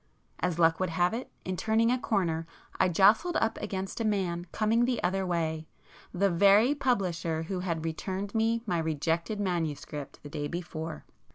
As luck would have it, in turning a corner I jostled up against a man coming the other way, the very publisher who had returned me my rejected manuscript the day before.